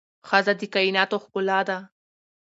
ښځه د کائناتو ښکلا ده